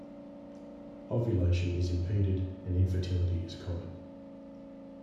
Ovulation is impeded, and infertility is common.